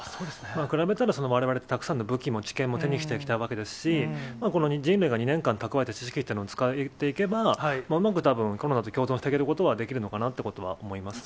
比べたら、われわれ、たくさんの武器も治験も手にしてきたわけですし、この人類が２年間に蓄えた知識をうまくたぶん、コロナと共存していくことはできるのかなとは思いますね。